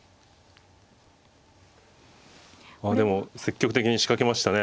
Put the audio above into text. あでも積極的に仕掛けましたね。